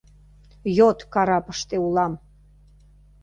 Йот карапыште улам.